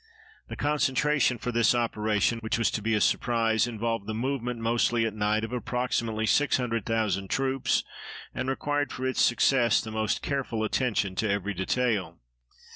The concentration for this operation, which was to be a surprise, involved the movement, mostly at night, of approximately 600,000 troops, and required for its success the most careful attention to every detail.